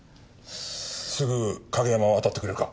すぐ景山を当たってくれるか？